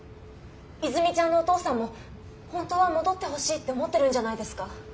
和泉ちゃんのお父さんも本当は戻ってほしいって思ってるんじゃないですか？